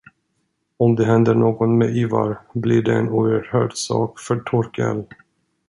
Om det händer något med Ivar blir det en oerhörd sak för Torkel.